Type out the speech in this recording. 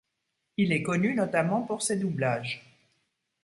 Il est connu notamment pour ses doublages.